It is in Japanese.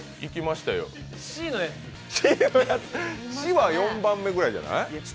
「し」は４番目くらいじゃない？